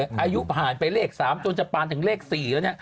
อายุผ่านไปเลข๓จนจะปานถึงเลข๔แล้วเนี่ย